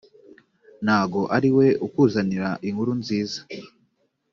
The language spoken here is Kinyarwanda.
ntago ariwe ukuzanira inkuru nziza